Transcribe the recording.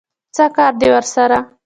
څه کار دی ورسره؟